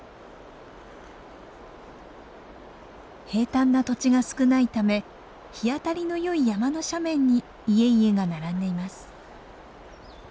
平たんな土地が少ないため日当たりのよい山の斜面に家々が並んでいます。